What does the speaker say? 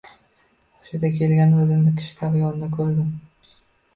Xushiga kelganda o`zini shkaf yonida ko`rdi